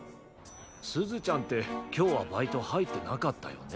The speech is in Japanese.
すずちゃんってきょうはバイトはいってなかったよね？